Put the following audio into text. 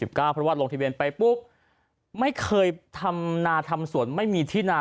เพราะว่าลงทะเบียนไปปุ๊บไม่เคยทำนาทำสวนไม่มีที่นา